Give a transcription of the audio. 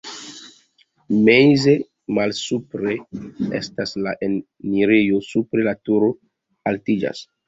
Meze malsupre estas la enirejo, supre la turo altiĝas.